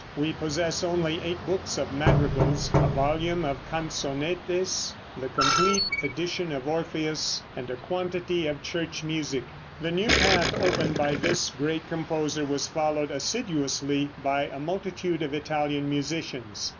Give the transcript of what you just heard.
We possess only eight books of madrigals, a volume of canzonettes, the complete edition of "Orpheus," and a quantity of church music. The new path opened by this great composer was followed assiduously by a multitude of Italian musicians.